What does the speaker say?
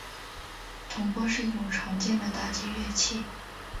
铜钹是一种常见的打击乐器。